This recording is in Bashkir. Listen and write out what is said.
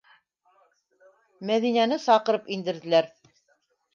Мәҙинәне саҡырып индерҙеләр.